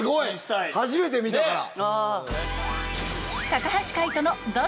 初めて見たから。